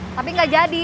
tapi nggak jadi